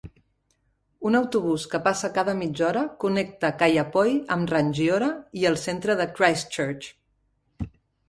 Un autobús que passa cada mitja hora connecta Kaiapoi amb Rangiora i el centre de Christchurch.